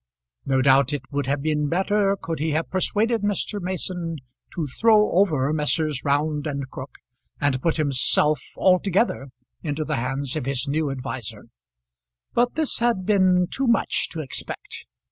No doubt it would have been better could he have persuaded Mr. Mason to throw over Messrs. Round and Crook, and put himself altogether into the hands of his new adviser; but this had been too much to expect.